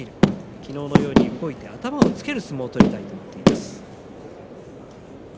昨日のように動いて頭をつける相撲を取りたいと話しています。